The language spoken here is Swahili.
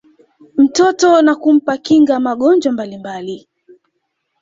mtoto na kumpa kinga ya magonjwa mbalimbali